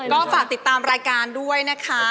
ก็ฝากติดตามรายการด้วยนะคะ